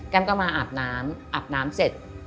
ก็มาอาบน้ำอาบน้ำเสร็จ